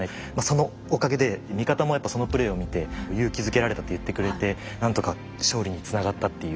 そのおかげで味方もやっぱそのプレイを見て勇気づけられたと言ってくれて何とか勝利につながったっていう。